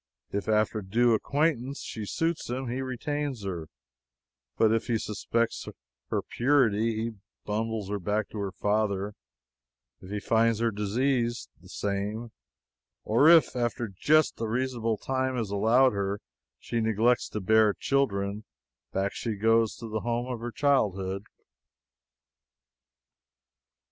If after due acquaintance she suits him, he retains her; but if he suspects her purity, he bundles her back to her father; if he finds her diseased, the same; or if, after just and reasonable time is allowed her, she neglects to bear children, back she goes to the home of her childhood.